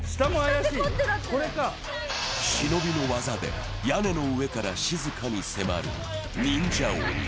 忍びの技で屋根の上から静かに迫る忍者鬼。